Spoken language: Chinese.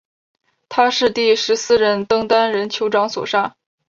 他是第十四任登丹人酋长所杀。